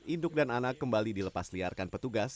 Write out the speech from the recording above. induk dan anak kembali dilepasliarkan petugas